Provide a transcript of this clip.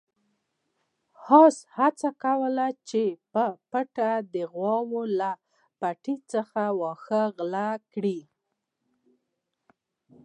اس هڅه کوله چې په پټه د غوا له پټي څخه واښه وغلا کړي.